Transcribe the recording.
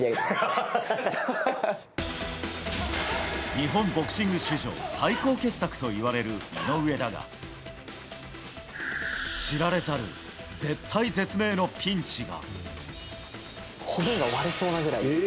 日本ボクシング史上最高傑作といわれる井上だが知られざる絶体絶命のピンチが。